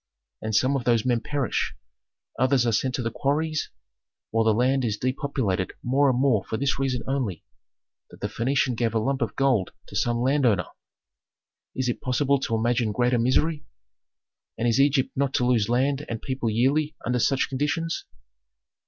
And some of those men perish, others are sent to the quarries, while the country is depopulated more and more for this reason only, that the Phœnician gave a lump of gold to some landowner! Is it possible to imagine greater misery? And is Egypt not to lose land and people yearly under such conditions?